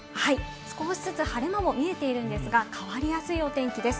少しずつ晴れ間も見えてるんですが変わりやすいお天気です。